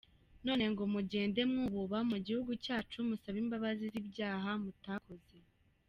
None ngo mugende mwububa mu gihugu cyacu musabe imbabazi z’ibyaha mutakoze.